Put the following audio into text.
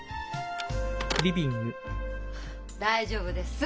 はあ大丈夫です。